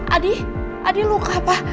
adi adi luka pak